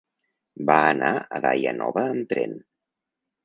Va anar a Daia Nova amb tren.